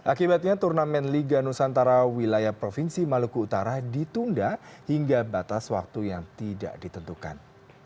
akibatnya turnamen liga nusantara wilayah provinsi maluku utara ditunda hingga batas waktu yang tidak ditentukan